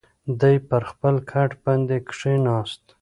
دی پر خپل کټ باندې کښېناست.